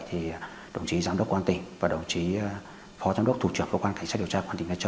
thì đồng chí giám đốc quan tỉnh và đồng chí phó giám đốc thủ trưởng của quan khách sách điều tra quan tỉnh nga châu